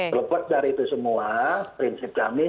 terlepas dari itu semua prinsip kami